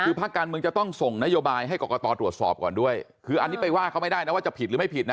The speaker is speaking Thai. คือภาคการเมืองจะต้องส่งนโยบายให้กรกตตรวจสอบก่อนด้วยคืออันนี้ไปว่าเขาไม่ได้นะว่าจะผิดหรือไม่ผิดนะ